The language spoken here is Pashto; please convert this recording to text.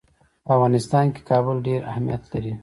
په افغانستان کې کابل ډېر اهمیت لري.